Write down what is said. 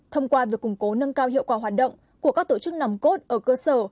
thông qua việc củng cố nâng cao hiệu quả hoạt động của các tổ chức nằm cốt ở cơ sở